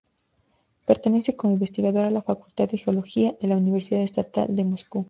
Pertenece como investigador a la "Facultad de Geología", de la Universidad Estatal de Moscú.